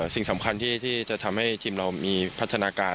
สิ่งสำคัญที่จะทำให้ทีมเรามีพัฒนาการ